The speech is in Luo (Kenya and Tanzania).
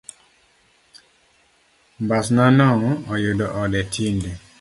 Mbasnano oyudo ode tinde.